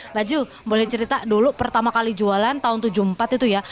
laju boleh cerita dulu pertama kali jualan tahun seribu sembilan ratus tujuh puluh empat itu ya